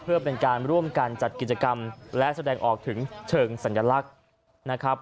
เพื่อเป็นการร่วมกันจัดกิจกรรมและแสดงออกถึงเชิงสัญลักษณ์นะครับ